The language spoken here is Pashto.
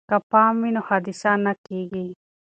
که پام وي نو حادثه نه کیږي.